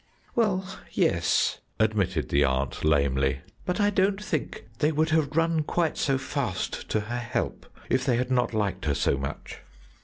"Well, yes," admitted the aunt lamely, "but I don't think they would have run quite so fast to her help if they had not liked her so much."